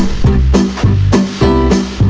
กินล้าง